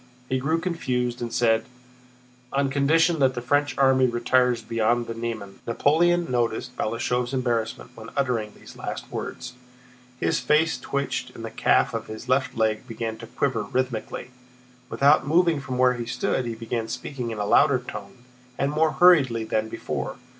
He grew confused and said: "On condition that the French army retires beyond the Niemen." Napoleon noticed Balashëv's embarrassment when uttering these last words; his face twitched and the calf of his left leg began to quiver rhythmically. Without moving from where he stood he began speaking in a louder tone and more hurriedly than before.